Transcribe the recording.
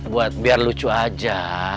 buat biar lucu aja